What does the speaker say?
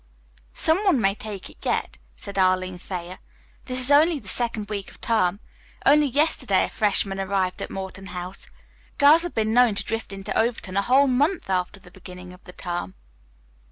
"Some one may take it yet," said Arline Thayer. "This is only the second week of the term. Only yesterday a freshman arrived at Morton House. Girls have been known to drift into Overton a whole month after the beginning of the term."